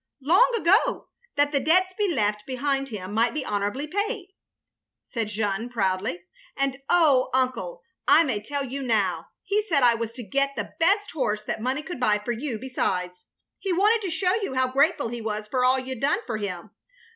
"Long ago, that the debts he left behind him might be honourably paid, " said Jeanne, proudly, "and oh — ^Uncle, I naay tell you now, he said I was to get the best horse that money could buy for you besides. He wanted to show you how grateful he was for all you *d done for him.